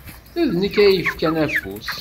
D nekk ay yefkan afus.